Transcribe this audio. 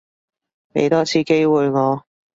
畀多次機會我